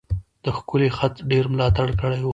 د ښکلی خط ډیر ملاتړ کړی و.